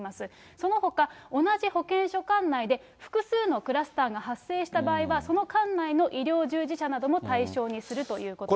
そのほか、同じ保健所管内で複数のクラスターが発生した場合は、その管内の医療従事者なども対象にするということです。